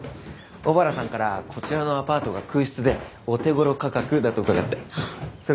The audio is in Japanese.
小原さんからこちらのアパートが空室でお手頃価格だと伺ってそれで。